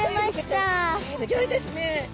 すギョいですね！